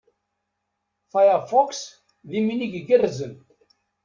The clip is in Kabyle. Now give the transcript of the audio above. Firefox, d iminig igerrzen.